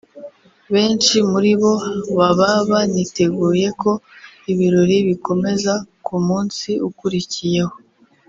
benshi muri bo baba baniteguye ko ibirori bikomeza ku munsi ukurikiyeho